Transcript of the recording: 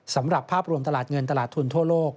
สำหรับภาพรวมตลาดเงินตลาดทุนทั่วโลก